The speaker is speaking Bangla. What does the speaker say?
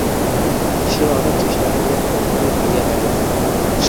সে অনেক চেষ্টা করিয়া কোনো উত্তরই ভাবিয়া পাইল না।